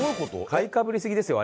買いかぶりすぎですよ